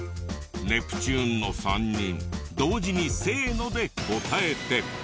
ネプチューンの３人同時にせーので答えて。